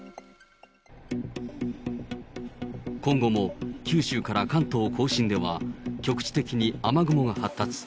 今後も九州から関東甲信では、局地的に雨雲が発達。